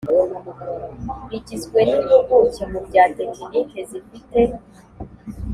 igizwe n impuguke mu bya tekinike zifite